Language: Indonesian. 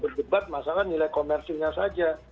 berdebat masalah nilai komersilnya saja